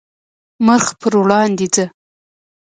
مخ پر وړاندې ځه .